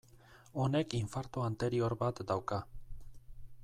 Honek infarto anterior bat dauka.